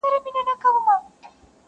پلار ویل زویه دلته نر هغه سړی دی,